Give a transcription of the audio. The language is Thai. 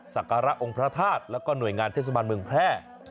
ศักระองค์พระธาตุแล้วก็หน่วยงานเทศบาลเมืองแพร่